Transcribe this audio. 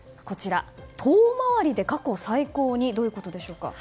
遠回りで過去最高にどういうことでしょうか？